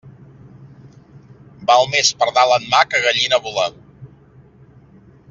Val més pardal en mà que gallina volar.